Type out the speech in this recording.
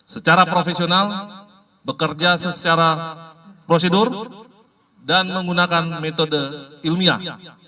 secara profesional bekerja secara prosedur dan menggunakan metode ilmiah